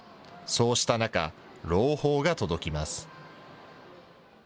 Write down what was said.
そうした中、朗報が届きます。